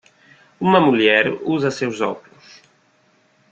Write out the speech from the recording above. uma mulher usa seus óculos.